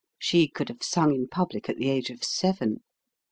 She could have sung in public at the age of seven.